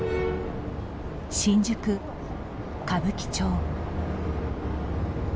新宿・歌舞伎町。